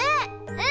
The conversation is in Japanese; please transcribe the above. うん！